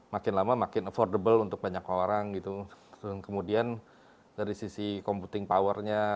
makin lama makin affordable untuk banyak orang gitu dan kemudian dari sisi computing powernya